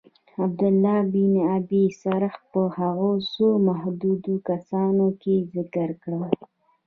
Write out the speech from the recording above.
عبدالله بن ابی سرح په هغو څو محدودو کسانو کي ذکر کړ.